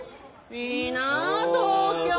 いいなぁ東京！